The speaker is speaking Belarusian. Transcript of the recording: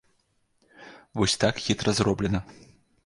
Вось так хітра зроблена.